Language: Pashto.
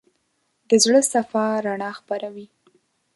د زړه صفا رڼا خپروي.